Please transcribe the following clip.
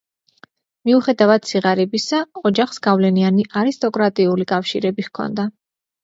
მიუხედავად სიღარიბისა, ოჯახს გავლენიანი არისტოკრატიული კავშირები ჰქონდა.